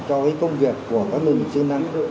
cho cái công việc của các người chương năng